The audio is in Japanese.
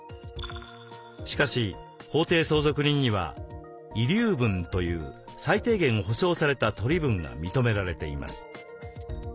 しかし法定相続人には「遺留分」という最低限保証された取り分が認められています。